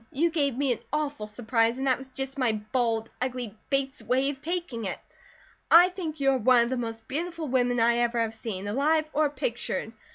You gave me an awful surprise, and that was just my bald, ugly Bates way of taking it. I think you are one of the most beautiful women I ever have seen, alive or pictured.